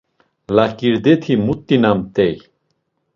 Laǩirdeti mut̆inamt̆ey.